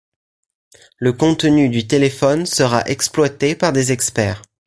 Le contenu du téléphone sera exploité par des experts.